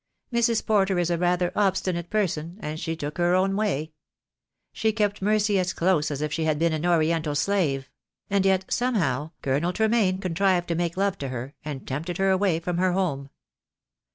Mrs. Porter is a rather obstinate person, and she took her own way. She kept Mercy as close as if she had been an Oriental slave; and yet, somehow, Colonel Tremaine contrived to make love to her, and tempted her away from her home.